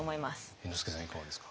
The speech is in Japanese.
猿之助さんいかがですか？